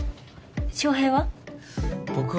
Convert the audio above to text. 翔平は？